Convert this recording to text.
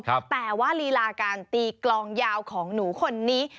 แต่ว่าลีลาการตีกลองยาวของหนูคนนี้